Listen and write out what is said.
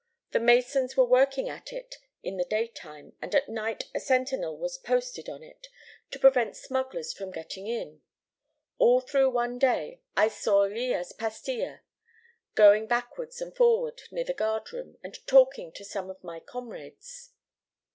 The masons were working at it in the daytime, and at night a sentinel was posted on it, to prevent smugglers from getting in. All through one day I saw Lillas Pastia going backward and forward near the guard room, and talking to some of my comrades.